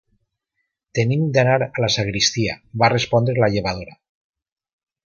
- Tenim d'anar a la sagristia - va respondre la llevadora.